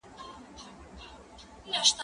دا زده کړه له هغه ګټوره ده!؟